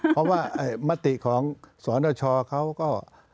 เพราะว่ามติของสนชเขาก็